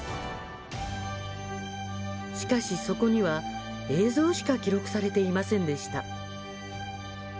しかし、そこには映像しか記録されていませんでした。